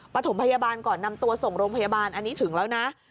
ถมพยาบาลก่อนนำตัวส่งโรงพยาบาลอันนี้ถึงแล้วนะ